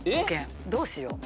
どうしよう。